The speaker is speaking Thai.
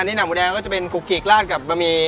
อันนี้น้ำหมูแดงก็จะเป็นคุกกรีกลาดกับบะมี